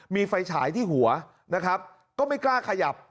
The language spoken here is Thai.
มีไฟฉายที่หัวนะครับก็ไม่กล้าขยับ